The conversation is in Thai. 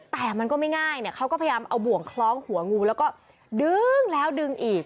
แต่มันก็ไม่ง่ายเนี่ยเขาก็พยายามเอาบ่วงคล้องหัวงูแล้วก็ดึงแล้วดึงอีก